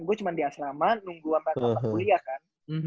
gue cuma di asrama nunggu empat lima kuliah kan